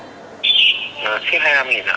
ship hai mươi năm ạ